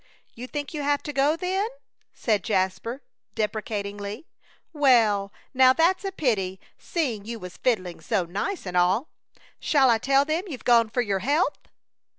"You think you have to go, then?" said Jasper, deprecatingly. "Well, now, that's a pity, seeing you was fiddling so nice an' all. Shall I tell them you've gone for your health?"